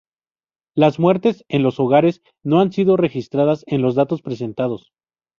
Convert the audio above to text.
Las muertes en los hogares no han sido registradas en los datos presentados.